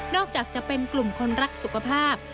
อกจากจะเป็นกลุ่มคนรักสุขภาพ